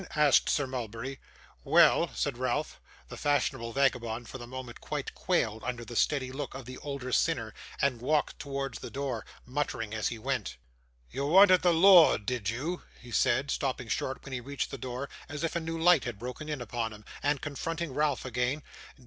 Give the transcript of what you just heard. asked Sir Mulberry. 'Well,' said Ralph. The fashionable vagabond for the moment quite quailed under the steady look of the older sinner, and walked towards the door, muttering as he went. 'You wanted the lord, did you?' he said, stopping short when he reached the door, as if a new light had broken in upon him, and confronting Ralph again.